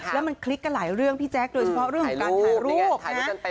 แล้วมันคลิกกันหลายเรื่องพี่แจ๊คโดยเฉพาะเรื่องของการถ่ายรูปนะ